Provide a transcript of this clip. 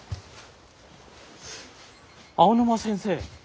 青沼先生。